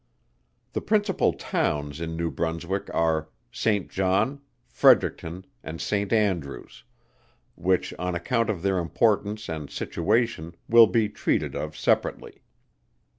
The principal Towns in New Brunswick are SAINT JOHN, FREDERICTON, and SAINT ANDREWS; which on account of their importance and situation will be treated of separately.